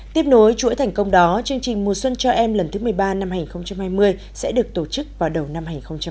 tiếp nối chuỗi thành công đó chương trình mùa xuân cho em lần thứ một mươi ba năm hai nghìn hai mươi sẽ được tổ chức vào đầu năm hai nghìn hai mươi một